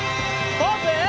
ポーズ！